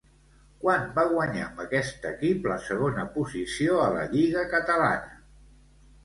Quan va guanyar amb aquest equip la segona posició a la Lliga Catalana?